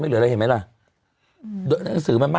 เหลืออะไรเห็นไหมล่ะ